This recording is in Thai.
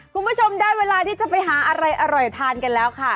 คุณผู้ชมได้เวลาที่จะไปหาอะไรอร่อยทานกันแล้วค่ะ